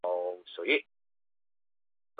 保利尼亚是巴西圣保罗州的一个市镇。